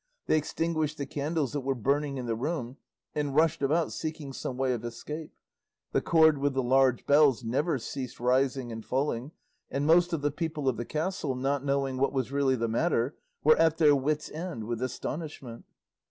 They extinguished the candles that were burning in the room, and rushed about seeking some way of escape; the cord with the large bells never ceased rising and falling; and most of the people of the castle, not knowing what was really the matter, were at their wits' end with astonishment.